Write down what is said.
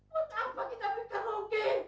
buat apa kita berkarong ke